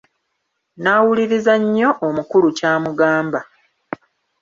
Nnaawuliriza nnyo omukulu ky’amugamba.